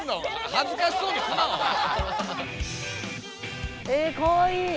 恥ずかしそうにすなお前。えかわいい！